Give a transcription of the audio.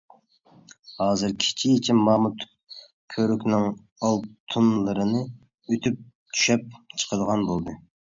ھازىر كېچىچە مامۇت كۈرۈكنىڭ ئالتۇنلىرىنى ئۇتۇپ چۈشەپ چىقىدىغان بولدى.